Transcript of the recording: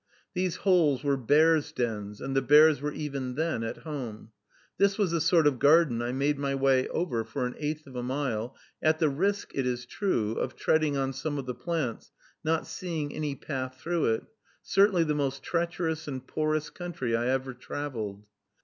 These holes were bears' dens, and the bears were even then at home. This was the sort of garden I made my way over, for an eighth of a mile, at the risk, it is true, of treading on some of the plants, not seeing any path through it, certainly the most treacherous and porous country I ever traveled.